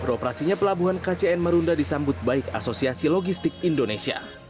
beroperasinya pelabuhan kcn marunda disambut baik asosiasi logistik indonesia